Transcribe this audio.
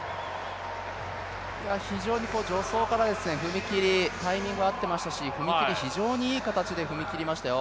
非常に助走から踏み切り、タイミングは合っていましたし、非常にいい形で踏み切りましたよ。